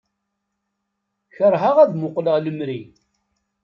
Kerheɣ ad muqleɣ lemri.